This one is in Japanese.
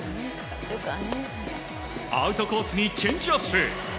アウトコースにチェンジアップ。